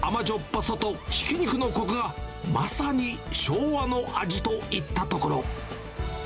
ぱさとひき肉のこくが、まさに昭和の味といったところ。